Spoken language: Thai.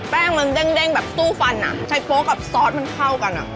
แป้งมันเด้งแบบสู้ฟันอ่ะใช้โป๊กกับซอสมันเข้ากันอ่ะ